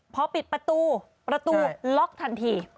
พอปิดประตูประตูล็อกทันที